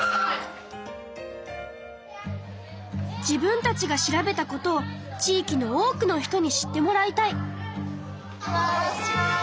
自分たちが調べたことを地いきの多くの人に知ってもらいたい。